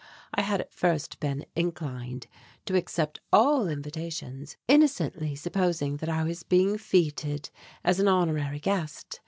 I had at first been inclined to accept all invitations, innocently supposing that I was being fêted as an honorary guest.